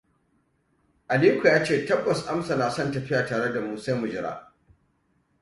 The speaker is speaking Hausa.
Aliko ya ce tabbas Amsa na son tafiya tare da mu, sai mu jira.